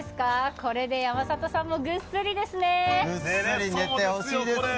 これで山里さんもぐっすりですね。